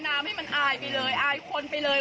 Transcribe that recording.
แก่น้ำให้มันอายไปเลยอายคนไปเลย